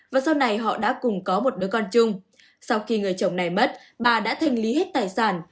và sau này họ đã cùng có một đứa con chung sau khi người chồng này mất bà đã thanh lý hết tài sản